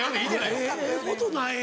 ええことない。